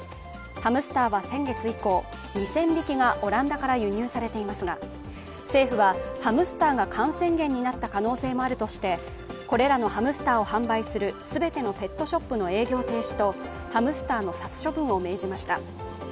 ハムスターは先月以降、２０００匹がオランダから輸入されていますが政府はハムスターが感染源になった可能性もあるとして、これらのハムスターを販売する全てのペットショップの営業停止とハムスターの殺処分を命じました。